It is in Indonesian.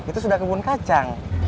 itu sudah kebun kacang